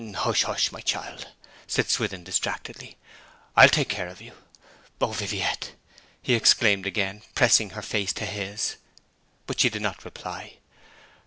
'Hush, hush! my child,' said Swithin distractedly. 'I'll take care of you! O Viviette!' he exclaimed again, pressing her face to his. But she did not reply.